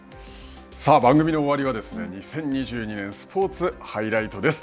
番組の終わりは２０２２年スポーツハイライトです。